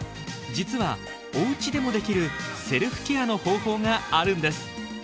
実はお家でもできるセルフケアの方法があるんです。